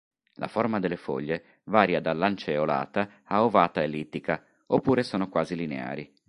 La forma delle foglie varia da lanceolata a ovata-ellittica oppure sono quasi lineari.